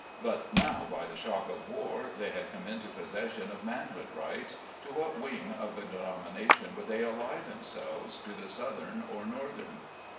But now by the shock of war they had come into possession of manhood rights, to what wing of the denomination would they ally themselves, to the southern or northern